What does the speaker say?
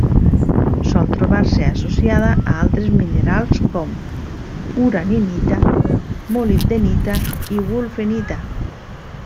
Sol trobar-se associada a altres minerals com: uraninita, molibdenita i wulfenita.